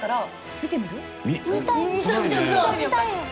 見たいね。